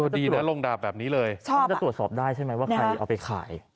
ดีนะลงดาบแบบนี้เลยมันจะตรวจสอบได้ใช่ไหมว่าใครเอาไปขาย